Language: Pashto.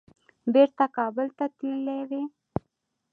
بیرته کابل ته تللي وای.